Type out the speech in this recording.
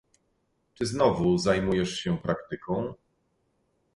"Czy znowu zajmujesz się praktyką?"